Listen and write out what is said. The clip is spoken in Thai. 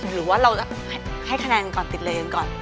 หรือว่าเราให้คะแนนก่อนติดเลยกันก่อน